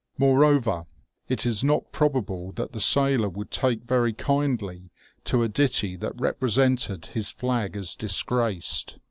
Moreover, it is not probable that the sailor would take very kindly to a ditty that represented his flag as disgraced.